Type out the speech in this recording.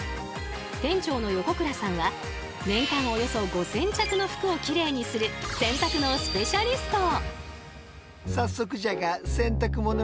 店長の横倉さんは年間およそ５，０００着の服をきれいにする洗濯のスペシャリスト。